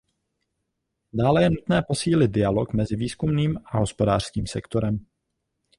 Dále je nutné posílit dialog mezi výzkumným a hospodářským sektorem.